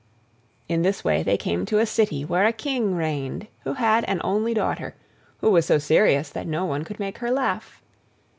In this way they came to a city where a King reigned who had an only daughter, who was so serious that no one could make her laugh.